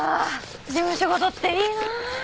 事務仕事っていいなあ！